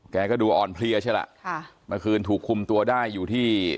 แกก็ดูอ่อนเพลียใช่ล่ะค่ะเมื่อคืนถูกคุมตัวได้อยู่ที่